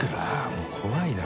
もう怖いな。